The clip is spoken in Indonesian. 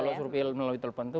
kalau suruhnya melalui telepon itu